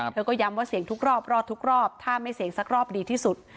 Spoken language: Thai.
เธอก็ย้ำว่าเสี่ยงทุกรอบรอดทุกรอบถ้าไม่เสี่ยงสักรอบดีที่สุด